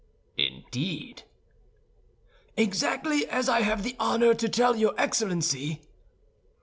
"Indeed!" "Exactly as I have the honor to tell your Excellency."